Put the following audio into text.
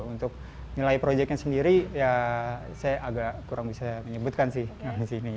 untuk nilai proyeknya sendiri ya saya agak kurang bisa menyebutkan sih di sini